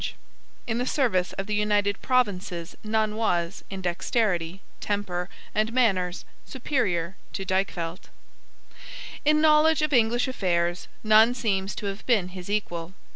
Of the diplomatists in the service of the United Provinces none was, in dexterity, temper, and manners, superior to Dykvelt. In knowledge of English affairs none seems to have been his equal.